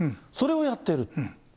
それをやってる。